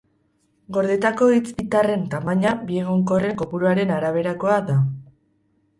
Gordetako hitz bitarraren tamaina biegonkorren kopuruaren araberakoa da.